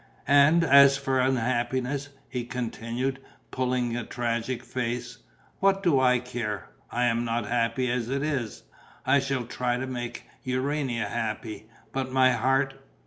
And, as for unhappiness," he continued, pulling a tragic face, "what do I care? I am not happy as it is. I shall try to make Urania happy. But my heart